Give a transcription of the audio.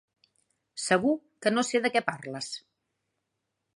Segur que no sé de què parles!